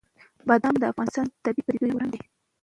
بادام د افغانستان د طبیعي پدیدو یو رنګ دی.